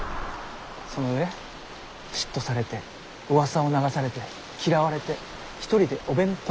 その上嫉妬されてうわさを流されて嫌われて一人でお弁当を食べる。